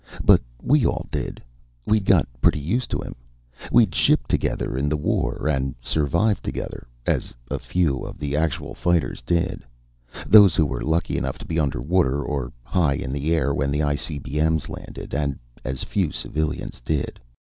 But we all did. We'd got pretty used to him. We'd shipped together in the war and survived together, as a few of the actual fighters did, those who were lucky enough to be underwater or high in the air when the ICBMs landed and as few civilians did.